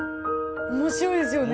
面白いですよね。